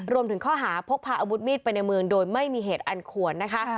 รวมถึงข้อหาพกพาอาวุธมีดไปในเมืองโดยไม่มีเหตุอันควรนะคะ